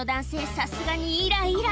さすがにイライラ